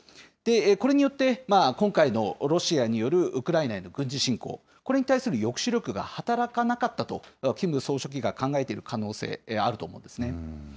これによって今回のロシアによるウクライナへの軍事侵攻、これに対する抑止力が働かなかったと、キム総書記が考えている可能性、あると思うんですね。